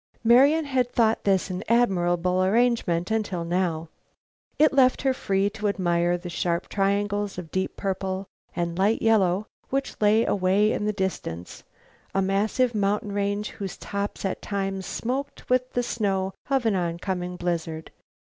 Marian had thought this an admirable arrangement until now. It left her free to admire the sharp triangles of deep purple and light yellow which lay away in the distance, a massive mountain range whose tops at times smoked with the snow of an oncoming blizzard.